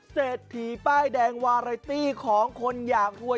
เศรษฐีป้ายแดงวาไรตี้ของคนอยากรวย